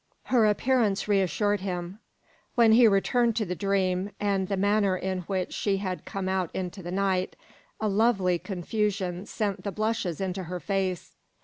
Her appearance reassured him. When he referred to the dream, and the manner in which she had come out into the night, a lovely confusion sent the blushes into her face.